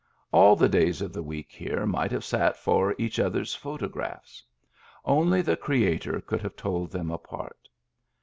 All the days of the week here might have sat for each other's photographs. Only the Creator could have told them apart.